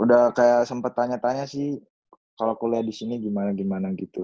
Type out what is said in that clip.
udah kayak sempat tanya tanya sih kalau kuliah di sini gimana gimana gitu